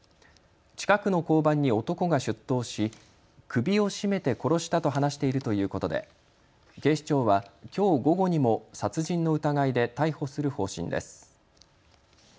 近くの交番に男が出頭し首を絞めて殺したと話しているということで警視庁はきょう午後にも殺人の疑いで逮捕する方針です。